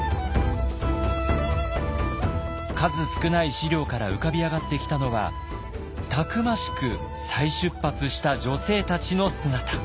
数少ない資料から浮かび上がってきたのはたくましく再出発した女性たちの姿。